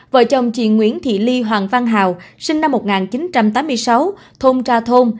vợ chồng chị nguyễn thị ly hoàng văn hào sinh năm một nghìn chín trăm tám mươi sáu thôn ra thôn